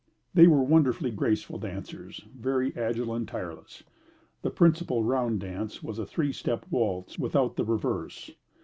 They were wonderfully graceful dancers very agile and tireless. The principal round dance was a three step waltz without the reverse.